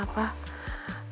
kamu buruan pulang ke rumah